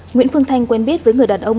nguyễn phương thanh quen biết với người đàn ông